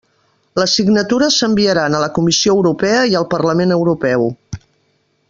Les signatures s'enviaran a la Comissió Europea i al Parlament Europeu.